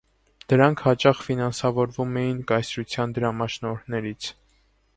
Դրանք հաճախ ֆինանսավորվում էին կայսրության դրամաշնորհներից։